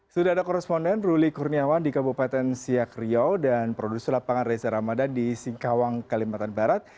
sudah ada koresponden ruli kurniawan di kabupaten siak riau dan produser lapangan reza ramadan di singkawang kalimantan barat